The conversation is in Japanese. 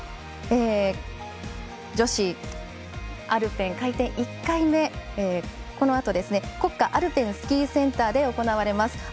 女子アルペン回転１回目このあと国家アルペンスキーセンターで行われます。